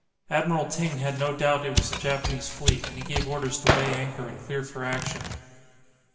Admiral Ting had no doubt it was the Japanese fleet, and he gave orders to weigh anchor and clear for action.